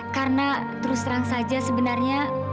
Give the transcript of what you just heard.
karena terus terang saja sebenarnya